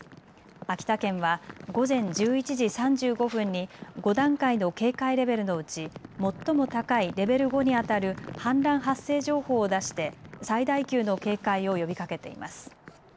秋田県は午前１１時３５分に５段階の警戒レベルのうち最も高いレベル５にあたる氾濫発生情報を出して最大級の警戒を呼びかけています。